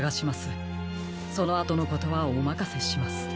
そのあとのことはおまかせします。